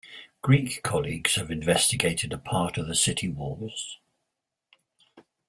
Greek colleagues have investigated a part of the city walls.